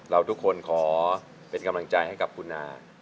เราทุกคนขอเป็นกำลังใจให้กับคุณอา